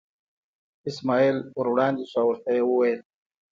اسماعیل ور وړاندې شو او ورته یې وویل.